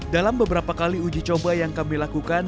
dalam beberapa kali uji coba yang kami lakukan